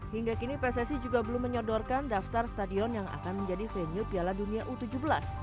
hingga kini pssi juga belum menyodorkan daftar stadion yang akan menjadi venue piala dunia u tujuh belas